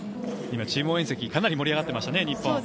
今チーム応援席かなり盛り上がっていましたね日本。